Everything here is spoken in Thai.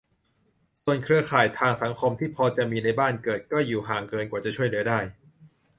ส่วนเครือข่ายทางสังคมที่พอมีในบ้านเกิด ก็อยู่ห่างเกินกว่าจะช่วยเหลือได้